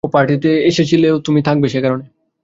ও পার্টিতে এসেছিল তুমি থাকবে সে কারণে।